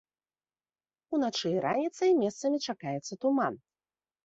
Уначы і раніцай месцамі чакаецца туман.